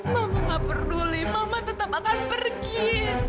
mama gak peduli mama tetap akan pergi